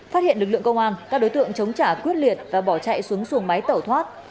phát hiện lực lượng công an các đối tượng chống trả quyết liệt và bỏ chạy xuống xuồng máy tẩu thoát